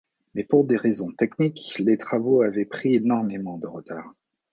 Mais pour des raisons techniques, les travaux avaient pris énormément de retard.